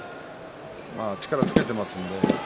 力をつけていますので。